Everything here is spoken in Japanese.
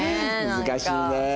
難しいね。